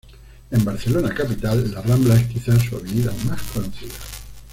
En Barcelona capital, La Rambla es quizá su avenida más conocida.